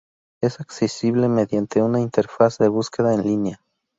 Es accesible mediante una interfaz de búsqueda en línea.